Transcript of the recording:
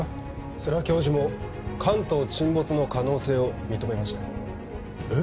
世良教授も関東沈没の可能性を認めましたえっ？